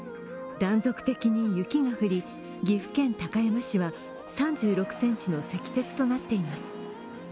断続的に雪が降り、岐阜県高山市は３６ｃｍの積雪となっています。